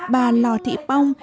bà lò thị pong